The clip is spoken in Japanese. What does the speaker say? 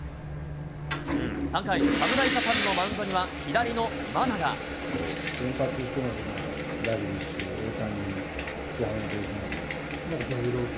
３回、侍ジャパンのマウンド先発っていうのが今、ダルビッシュ、大谷、山本由伸、佐々木朗希。